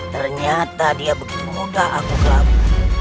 ternyata dia begitu mudah aku kelabu